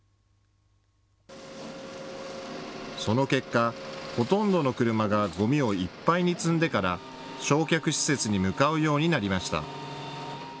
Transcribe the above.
その結果、ほとんどの車がゴミをいっぱいに積んでから焼却施設に向かうようになりました。